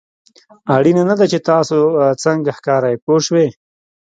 اړینه نه ده چې تاسو څنګه ښکارئ پوه شوې!.